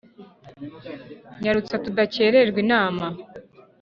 “nyarutsa tudakererwa inama ”